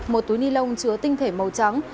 một túi ni lông chứa tinh thể màu trắng